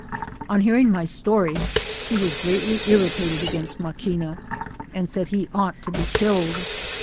On hearing my story, he was greatly irritated against Maquica, and said he ought to be killed.